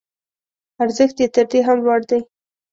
ارزښت یې تر دې هم لوړ دی.